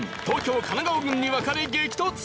東京・神奈川軍に分かれ激突！